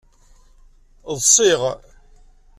Ḍḍseɣ.